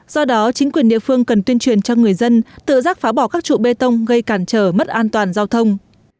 do đó chính quyền địa phương cần tuyên truyền cho người dân tự giác phá bỏ các trụ bê tông gây cản trở mất an toàn giao thông